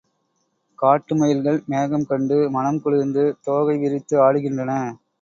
காட்டு மயில்கள் மேகம் கண்டு மனம் குளிர்ந்து தோகை விரித்து ஆடுகின்றன.